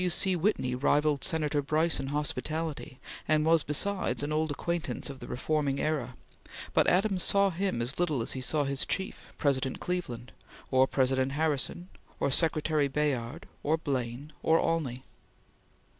W. C. Whitney rivalled Senator Brice in hospitality, and was besides an old acquaintance of the reforming era, but Adams saw him as little as he saw his chief, President Cleveland, or President Harrison or Secretary Bayard or Blaine or Olney.